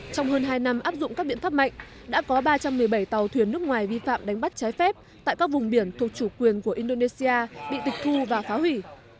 trong hơn hai năm áp dụng các biện pháp mạnh đã có ba trăm một mươi bảy tàu thuyền nước ngoài vi phạm đánh bắt trái phép tại các vùng biển thuộc chủ quyền của indonesia bị tịch thu và phá hủy